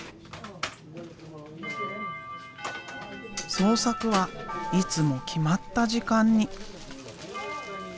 創作はいつも決まった時間に。